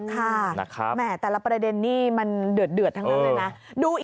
แต่ละประเด็นนี้มันเดือดทั้งนั้นเลยนะ